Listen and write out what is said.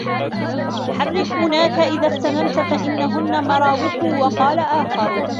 حَرِّكْ مُنَاك إذَا اغْتَمَمْت فَإِنَّهُنَّ مَرَاوِحُ وَقَالَ آخَرُ